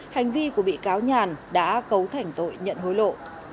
hành vi của bị cáo nhàn đã cấu thành tội nhận hối lộ